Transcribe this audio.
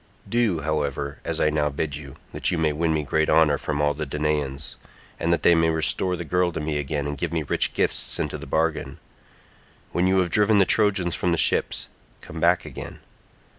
Do, however, as I now bid you, that you may win me great honour from all the Danaans, and that they may restore the girl to me again and give me rich gifts into the bargain. When you have driven the Trojans from the ships, come back again.